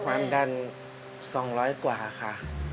ความดัน๒๐๐กว่าค่ะ